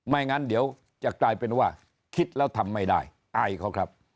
งั้นเดี๋ยวจะกลายเป็นว่าคิดแล้วทำไม่ได้อายเขาครับ